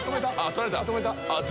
取られた！